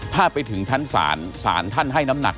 ถ้าไปถึงชั้นศาลศาลท่านให้น้ำหนัก